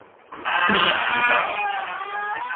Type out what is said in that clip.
咩人做㗎？